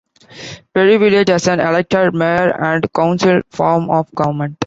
Perry Village has an elected Mayor and Council form of government.